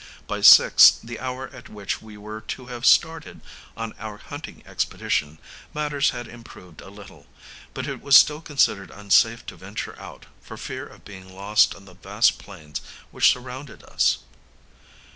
By six, the hour at which we were to have started on our hunting expedition, matters had improved a little; but it was still considered unsafe to venture out, for fear of being lost on the vast plains which surrounded us.